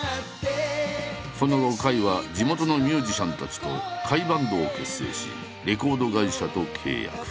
その後甲斐は地元のミュージシャンたちと甲斐バンドを結成しレコード会社と契約。